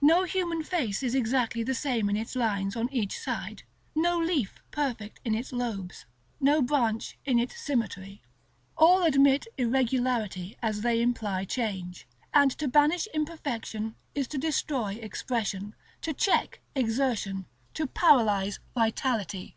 No human face is exactly the same in its lines on each side, no leaf perfect in its lobes, no branch in its symmetry. All admit irregularity as they imply change; and to banish imperfection is to destroy expression, to check exertion, to paralyse vitality.